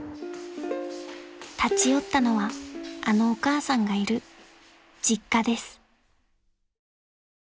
［立ち寄ったのはあのお母さんがいる実家です］